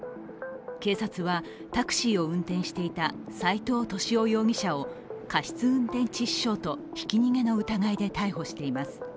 警察は、タクシー運転していた斎藤敏夫容疑者を過失運転致死傷とひき逃げの疑いで逮捕しています。